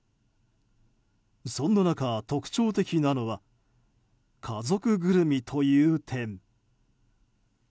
そんな中、特徴的なのは家族ぐるみという点。